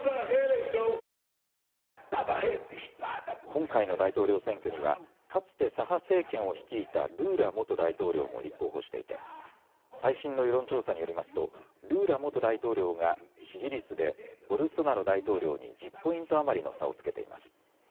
今回の大統領選挙にはかつて左派政権を率いたルーラ元大統領も立候補していて最新の世論調査によりますとルーラ元大統領が支持率でボルソナロ大統領に１０ポイント余りの差をつけています。